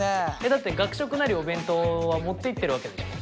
だって学食なりお弁当は持っていってるわけでしょ？